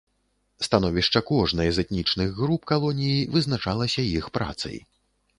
Становішча кожнай з этнічных груп калоніі вызначалася іх працай.